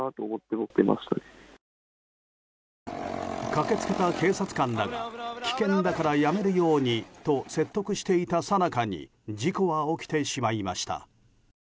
駆け付けた警察官らが危険だからやめるようにと説得していたさなかに事故は起きてしまいました。